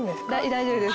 大丈夫です。